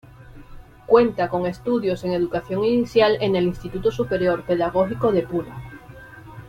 Cuenta con estudios en Educación Inicial en el Instituto Superior Pedagógico de Puno.